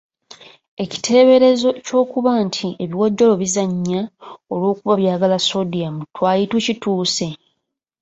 Ekiteeberezo ky’okuba nti ebiwojjolo bizannya olw’okuba byagala sodium twali tukituuse?